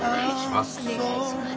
お願いします。